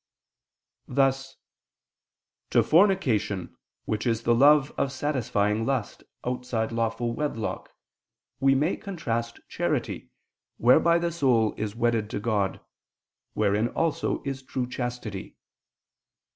Thus "to fornication, which is the love of satisfying lust outside lawful wedlock, we may contrast charity, whereby the soul is wedded to God: wherein also is true chastity.